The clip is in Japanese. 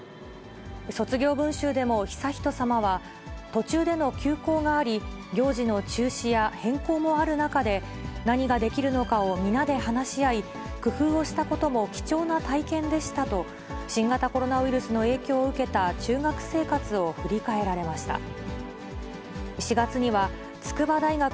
卒業文集でも悠仁さまは、途中での休校があり、行事の中止や変更もある中で、何ができるのかを皆で話し合い、工夫をしたことも貴重な体験でしたと、新型コロナウイルスの影響を受けた中学生活を振り返られました。